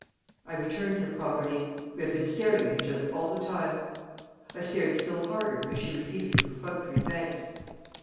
I returned her property. We had been staring at each other all the time. I stared still harder as she repeated her perfunctory thanks.